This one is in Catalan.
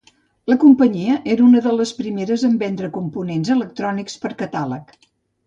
La companyia era una de les primeres en vendre components electrònics per catàleg.